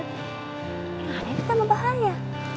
nggak ada yang ditanggung bahaya